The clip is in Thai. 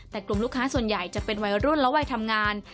แต่กลุ่มลูกค้าส่วนใหญ่จะเป็นวัยรุ่นและวัยทำงาน